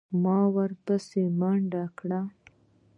ما ورپسې منډه کړه.